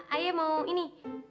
ayah mau ini